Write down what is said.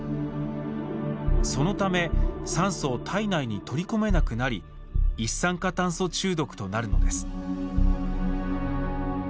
そのため酸素を体内に取り込めなくなり一酸化炭素中毒となるのです。